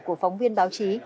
của phóng viên báo chí